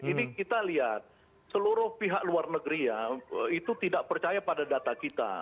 ini kita lihat seluruh pihak luar negeri ya itu tidak percaya pada data kita